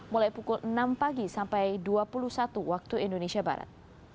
mulai pukul enam pagi sampai dua puluh satu waktu indonesia barat